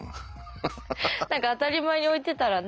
何か当たり前に置いてたらね。